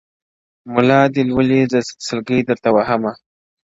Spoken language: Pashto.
مُلا دي لولي زه سلګۍ درته وهمه-